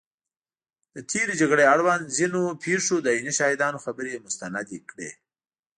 د تېرې جګړې اړوند ځینو پېښو د عیني شاهدانو خبرې مستند کړي